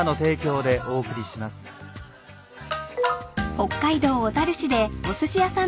［北海道小樽市でおすし屋さん